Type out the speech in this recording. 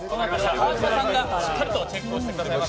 川島さんがしっかりとチェックしていただきます。